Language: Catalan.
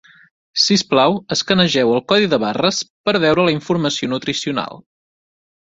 Si us plau, escanegeu el codi de barres per veure la informació nutricional.